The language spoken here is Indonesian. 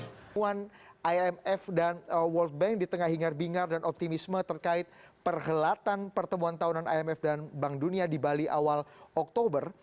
pertemuan imf dan world bank di tengah hingar bingar dan optimisme terkait perhelatan pertemuan tahunan imf dan bank dunia di bali awal oktober